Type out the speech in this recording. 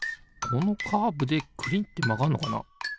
このカーブでくりんってまがんのかな？